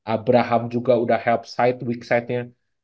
abraham juga udah help side weak side nya